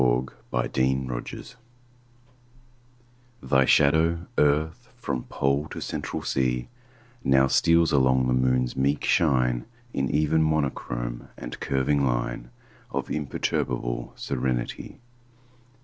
AT A LUNAR ECLIPSE THY shadow, Earth, from Pole to Central Sea, Now steals along upon the Moon's meek shine In even monochrome and curving line Of imperturbable serenity.